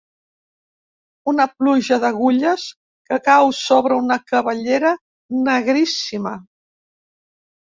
Una pluja d'agulles que cau sobre una cabellera negríssima.